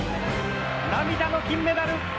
涙の金メダル！